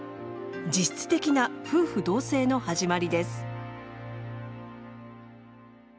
実質的な夫婦同姓の始まりです。